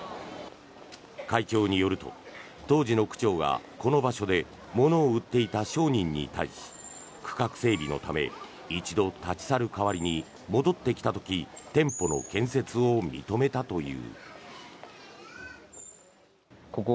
会長によると当時の区長がこの場所で物を売っていた商人に対し区画整備のため一度立ち去る代わりに戻ってきた時店舗の建設を認めたという。